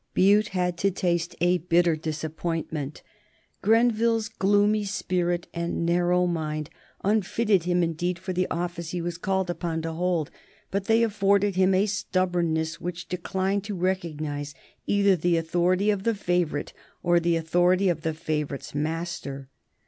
Bute had to taste a bitter disappointment. Grenville's gloomy spirit and narrow mind unfitted him, indeed, for the office he was called upon to hold, but they afforded him a stubbornness which declined to recognize either the authority of the favorite or the authority of the favorite's master.